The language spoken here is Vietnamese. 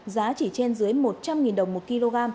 giá chỉ trên dưới một trăm linh đồng một kg